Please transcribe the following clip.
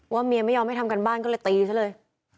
เมียไม่ยอมให้ทำการบ้านก็เลยตีซะเลย